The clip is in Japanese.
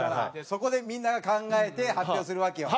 そこでみんなが考えて発表するわけよ。